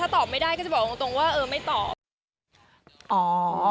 ถ้าตอบไม่ได้ก็จะบอกตรงว่าเออไม่ตอบ